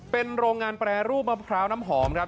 เป็นโรงงานแปรรูปมะพร้าวน้ำหอมครับ